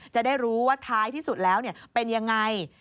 จะได้รู้ว่าท้ายที่สุดแล้วเป็นยังไง